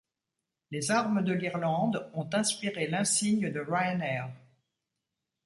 Les armes de l'Irlande ont inspiré l'insigne de Ryanair.